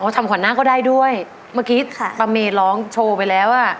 ทำขวัญนาคก็ได้ด้วยเมื่อกี้ปะเมร์ร้องโชว์ไปแล้ว